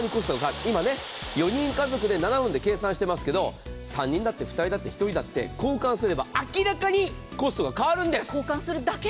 今ね、４人家族で７分で計算していますけれども、３人だって２人だって１人だって交換すれば明らかにコストが変わるんです。